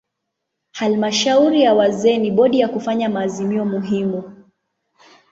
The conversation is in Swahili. Halmashauri ya wazee ni bodi ya kufanya maazimio muhimu.